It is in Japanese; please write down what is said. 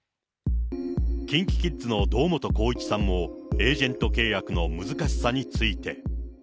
ＫｉｎＫｉＫｉｄｓの堂本光一さんも、エージェント契約の難しさについて。